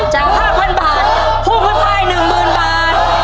จาก๕๐๐๐บาทพูดไว้ภาย๑๐๐๐๐บาท